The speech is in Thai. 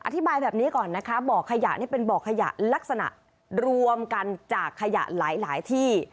อธิบายแบบนี้ก่อนนะคะบ่อขยะนี่เป็นบ่อขยะลักษณะรวมกันจากขยะหลายที่